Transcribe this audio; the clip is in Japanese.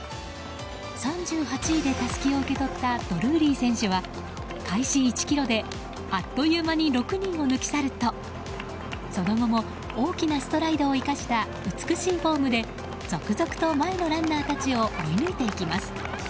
３８位でたすきを受け取ったドルーリー選手は開始１ｋｍであっという間に６人を抜き去るとその後も大きなストライドを生かした美しいフォームで続々と前のランナーたちを追い抜いていきます。